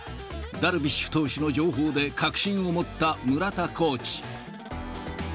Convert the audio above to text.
ダルビッシュ投手の情報で確信を持った村田コーチ。